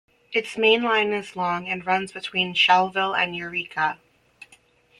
Its main line is long and runs between Schellville and Eureka.